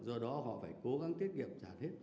do đó họ phải cố gắng tiết kiệm trả hết